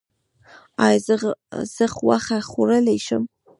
ایا زه غوښه خوړلی شم؟